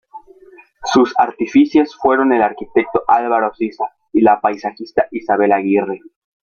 Sus artífices fueron el arquitecto Álvaro Siza y la paisajista Isabel Aguirre.